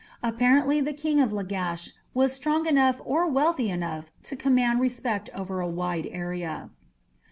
Apparently the King of Lagash was strong enough or wealthy enough to command respect over a wide area.